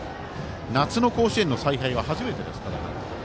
夏の甲子園の采配は初めてです。